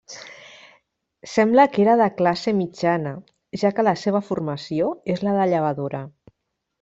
Sembla que era de classe mitjana, ja que la seva formació és la de llevadora.